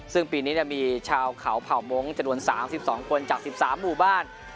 ซึ่งปีนี้มีชาวเขาเผ่ามงค์จำนวน๓๒คนจาก๑๓หมู่บ้าน